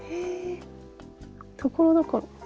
ところどころ。